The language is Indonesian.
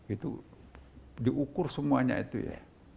itu diukur semuanya itu ya